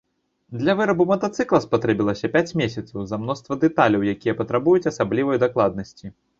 Для вырабу матацыкла спатрэбілася пяць месяцаў з-за мноства дэталяў, якія патрабуюць асаблівай дакладнасці.